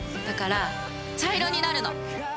だから茶色になるの！